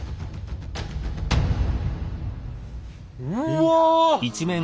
うわ！